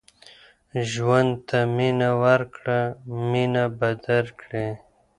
ژوند ته مینه ورکړه مینه به درکړي